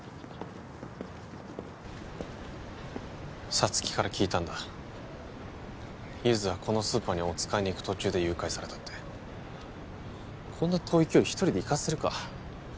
沙月から聞いたんだゆづはこのスーパーにおつかいに行く途中で誘拐されたってこんな遠い距離一人で行かせるか？